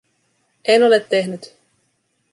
En ole tehnyt.